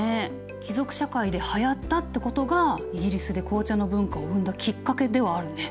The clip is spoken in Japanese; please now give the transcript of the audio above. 貴族社会ではやったってことがイギリスで紅茶の文化を生んだきっかけではあるね。